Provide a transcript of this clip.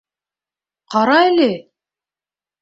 Ҡара әле!